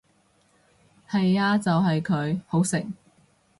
係呀就係佢，好食！